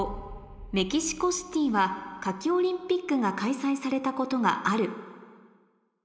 「メキシコシティは夏季オリンピックが開催されたことがある」